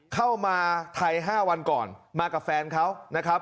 เข้ามาไทย๕วันก่อนมากับแฟนเขานะครับ